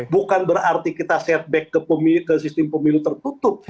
bukan berarti kita setback ke sistem pemilu tertutup